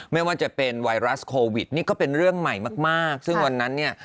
ไม่ว่าจะเป็นไวรัสโควิดนี่ก็เป็นเรื่องใหม่มากมากซึ่งวันนั้นเนี่ย